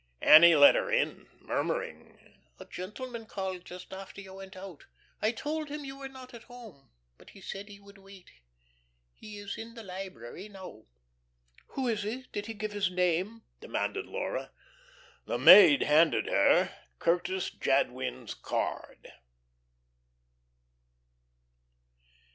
Annie let her in, murmuring: "A gentleman called just after you went out. I told him you were not at home, but he said he would wait. He is in the library now." "Who is he? Did he give his name?" demanded Laura. The maid handed her Curtis Jadwin's card.